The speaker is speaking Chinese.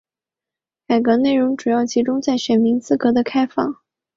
改革内容主要集中在选民资格的开放。